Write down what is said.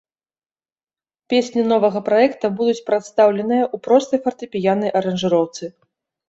Песні новага праекта будуць прадстаўленыя ў простай фартэпіяннай аранжыроўцы.